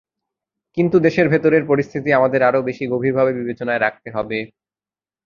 কিন্তু দেশের ভেতরের পরিস্থিতি আমাদের আরও বেশি গভীরভাবে বিবেচনায় রাখতে হবে।